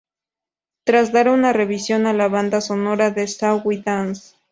Tras dar una revisión a la banda sonora de "Shall We Dance?